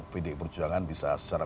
pdi perjuangan bisa secara